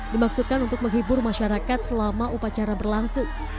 dimaksudkan untuk menghibur masyarakat selama upacara berlangsung